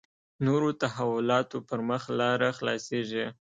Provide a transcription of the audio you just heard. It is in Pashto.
نورو تحولاتو پر مخ لاره خلاصېږي.